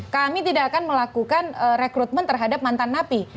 kami tidak akan melakukan rekrutmen terhadap mantan napi